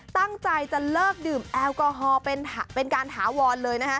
ตั้งใจจะเลิกดื่มแอลกอฮอล์เป็นการถาวรเลย